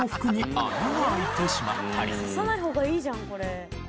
刺さない方がいいじゃんこれ。